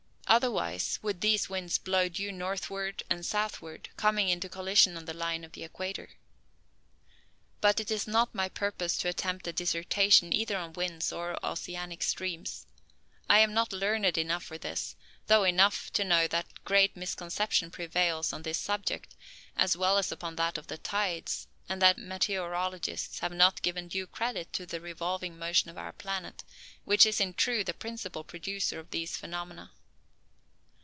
Otherwise, would these winds blow due northward and southward, coming into collision on the line of the equator. But it is not my purpose to attempt a dissertation either on winds or oceanic streams. I am not learned enough for this, though enough to know that great misconception prevails on this subject, as well as upon that of the tides; and that meteorologists have not given due credit to the revolving motion of our planet, which is in truth the principal producer of these phenomena.